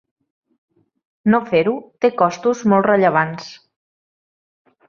No fer-ho té costos molt rellevants.